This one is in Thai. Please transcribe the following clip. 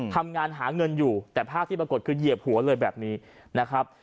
ทำงานหาเงินอยู่แต่ภาพที่ปรากฏคือเหยียบหัวเลยแบบนี้นะครับ